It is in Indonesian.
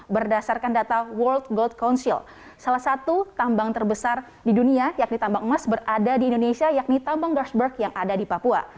berdasarkan data world gold council salah satu tambang terbesar di dunia yakni tambang emas berada di indonesia yakni tambang gersberg yang ada di papua